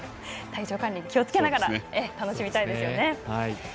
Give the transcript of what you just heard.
体調管理気をつけながら楽しみたいですよね。